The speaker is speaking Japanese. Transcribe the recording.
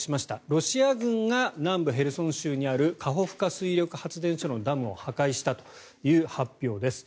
ロシア軍が南部ヘルソン州にあるカホフカ水力発電所のダムを破壊したという発表です。